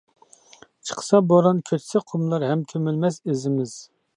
چىقسا بوران كۆچسە قۇملار ھەم كۆمۈلمەس ئىزىمىز.